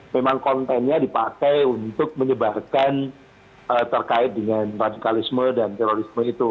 memang kontennya dipakai untuk menyebarkan terkait dengan radikalisme dan terorisme itu